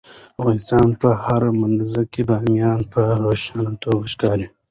د افغانستان په هره منظره کې بامیان په روښانه توګه ښکاري.